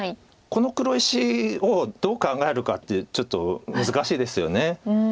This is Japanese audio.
この黒石をどう考えるかってちょっと難しいですよね。